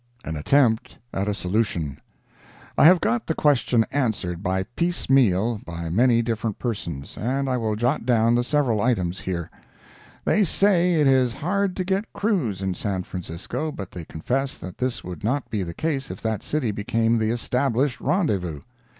AN ATTEMPT AT A SOLUTION I have got the question answered by piecemeal by many different persons, and I will jot down the several items here. They say it is hard to get crews in San Francisco, but they confess that this would not be the case if that city became the established rendezvous.